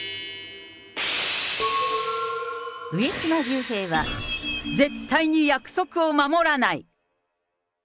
上島竜兵は、絶対に約束を守らない。